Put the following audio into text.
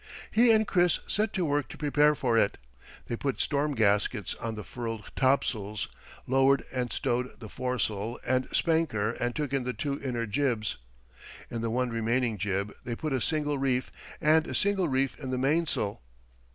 He and Chris set to work to prepare for it. They put storm gaskets on the furled topsails, lowered and stowed the foresail and spanker and took in the two inner jibs. In the one remaining jib they put a single reef, and a single reef in the mainsail.